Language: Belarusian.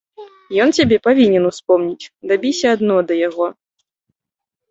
Ён цябе павінен успомніць, дабіся адно да яго.